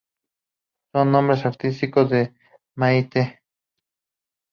Su nombre artístico es Mayte.